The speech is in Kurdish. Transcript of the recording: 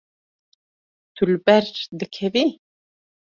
Tu li ber dikevî.